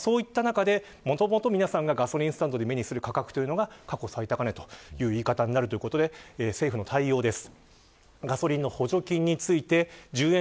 そういった中でもともと皆さんがガソリンスタンドで目にする価格というのが過去最高値という言い方になるということで政府の対応です。